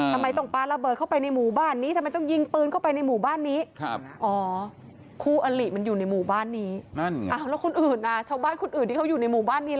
ทำไมต้องปลาระเบิดเข้าไปในหมู่บ้านนี้ทำไมต้องยิงปืนเข้าไปในหมู่บ้านนี้